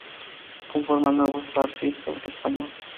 Conforma el nuevo star-system español".